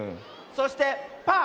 そしてパー。